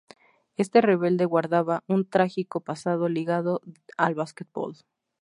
Este rebelde guardaba un trágico pasado ligado al Basketball.